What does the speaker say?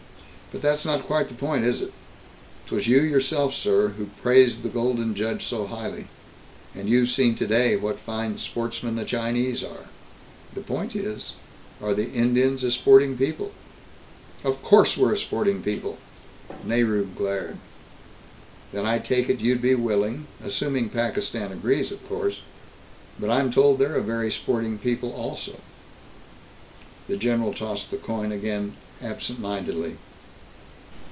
But that's not quite the point, is it? 'Twas you yourself, sir, who praised the Golden Judge so highly. And you've seen today what fine sportsmen the Chinese are. The point is, are the Indians a sporting people?" "Of course we're a sporting people!" Nehru glared. "Then I take it you'd be willing, assuming Pakistan agrees, of course, but I'm told they're a very sporting people, to " The general tossed the coin again, absent mindedly.